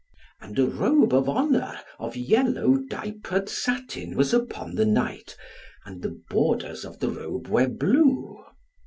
And a robe of honour of yellow diapered satin was upon the knight, and the borders of the robe were blue.